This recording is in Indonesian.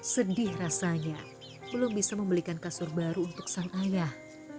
sedih rasanya belum bisa membelikan kasur baru untuk sang ayah